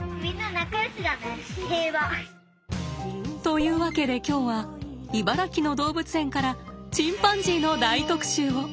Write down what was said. というわけで今日は茨城の動物園からチンパンジーの大特集を。